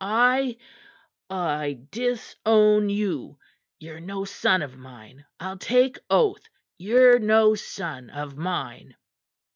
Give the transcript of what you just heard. I I disown you. Ye're no son of mine. I'll take oath ye're no son of mine!"